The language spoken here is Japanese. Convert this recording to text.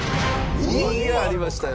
２ありましたよ。